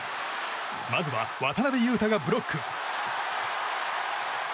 まずは渡邊雄太がブロック！